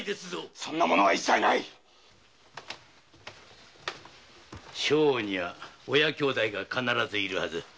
そんな者はいない将翁には親兄弟が必ずいるはず。